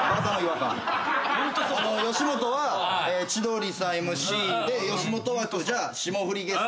吉本は千鳥さんＭＣで吉本じゃあ霜降りゲスト。